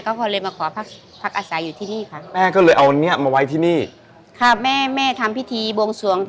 ก็เลยมาขอพักพักอาศัยอยู่ที่นี่ค่ะแม่ก็เลยเอาอันเนี้ยมาไว้ที่นี่ค่ะแม่แม่ทำพิธีบวงสวง